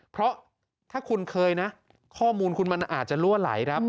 เพราะถ้าคุณเคยนะข้อมูลคุณมันอาจจะลั่วไหลครับ